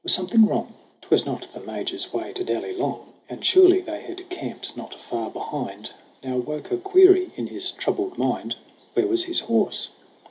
Was something wrong ? THE AWAKENING 29 'Twas not the Major's way to dally long, And surely they had camped not far behind. Now woke a query in his troubled mind Where was his horse